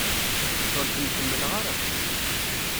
Ur kem-ḥemmleɣ ara!